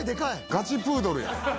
ガチプードルや。